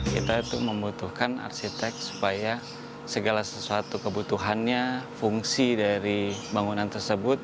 kita itu membutuhkan arsitek supaya segala sesuatu kebutuhannya fungsi dari bangunan tersebut